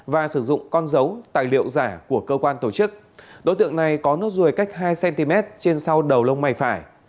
và sử dụng con dấu tài liệu giả của cơ quan tổ chức đối tượng này có nốt ruồi cách hai cm trên sau đầu lông mày phải